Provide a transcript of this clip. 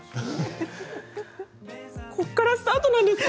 ここからスタートなんですか？